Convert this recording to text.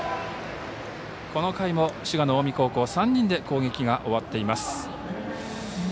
この回も滋賀の近江高校３人で攻撃が終わっています。